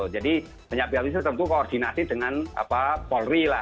jadi banyak pihak ini tentu koordinasi dengan polri